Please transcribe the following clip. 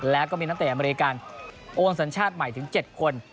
แล้วก็มีตั้งแต่อเมริกาโรงสัญชาติใหม่ถึง๗คน